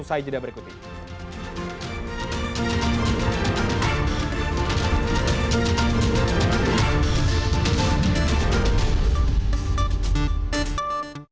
sampai jeda berikutnya